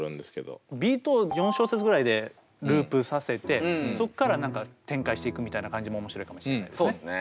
ビートを４小節ぐらいでループさせてそこから何か展開していくみたいな感じも面白いかもしれないですね。